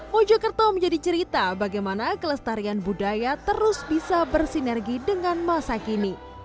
mojokerto menjadi cerita bagaimana kelestarian budaya terus bisa bersinergi dengan masa kini